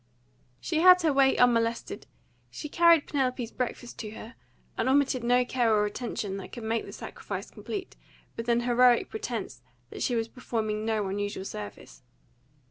She had her way unmolested. She carried Penelope's breakfast to her, and omitted no care or attention that could make the sacrifice complete, with an heroic pretence that she was performing no unusual service.